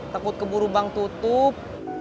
takut keburu bank tutup